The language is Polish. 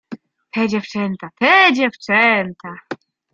"Te dziewczęta, te dziewczęta!"